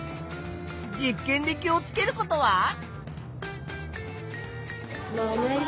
実験で気をつけることは？